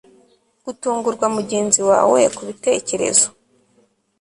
Gutungurwa mugenzi wawe kubitekerezo